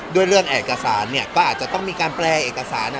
ด้วยเรื่องเอกสารเนี่ยก็อาจจะต้องมีการแปลเอกสาร